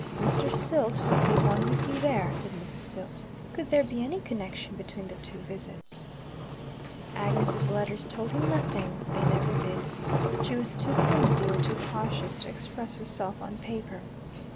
"Mr. Silt would be one with you there," said Mrs. Silt. Could there be any connection between the two visits? Agnes's letters told him nothing: they never did. She was too clumsy or too cautious to express herself on paper.